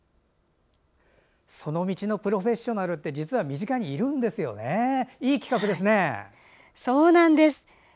その道のプロフェッショナルって実は身近にいるんですよね。